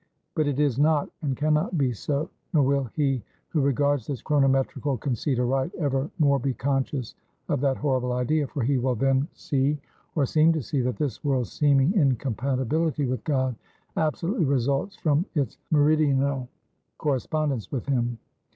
But it is not, and can not be so; nor will he who regards this chronometrical conceit aright, ever more be conscious of that horrible idea. For he will then see, or seem to see, that this world's seeming incompatibility with God, absolutely results from its meridianal correspondence with him.